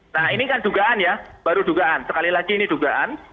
nah ini kan dugaan ya baru dugaan sekali lagi ini dugaan